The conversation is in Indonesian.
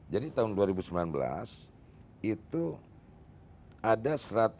jadi tahun dua ribu sembilan belas itu ada seratus